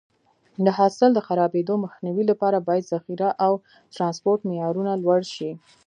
د حاصل د خرابېدو مخنیوي لپاره باید ذخیره او ټرانسپورټ معیارونه لوړ شي.